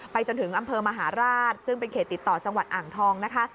จนถึงอำเภอมหาราชซึ่งเป็นเขตติดต่อจังหวัดอ่างทองนะคะ